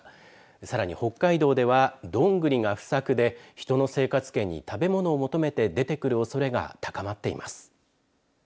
さらに北海道ではどんぐりが不作で人の生活圏に食べ物を求めて出てくるおそれが高まっています。